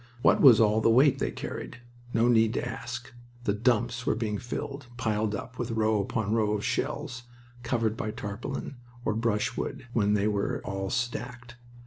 What was all the weight they carried? No need to ask. The "dumps" were being filled, piled up, with row upon row of shells, covered by tarpaulin or brushwood when they were all stacked.